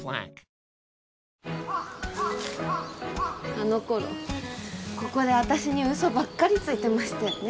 あの頃ここで私にウソばっかりついてましたよね。